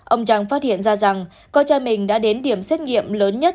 ông trang phát hiện ra rằng con trai mình đã đến điểm xét nghiệm lớn nhất